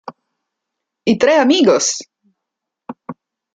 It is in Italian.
I tre amigos!